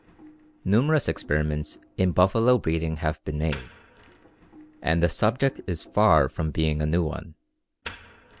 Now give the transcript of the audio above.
Numerous experiments in buffalo breeding have been made, and the subject is far from being a new one.